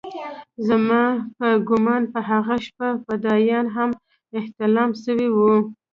زما په ګومان په هغه شپه فدايان هم احتلام سوي وو.